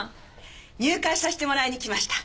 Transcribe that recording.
入会させてもらいに来ました。